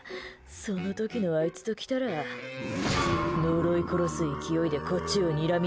その時のあいつときたら呪い殺す勢いでこっちをにらみつけていた。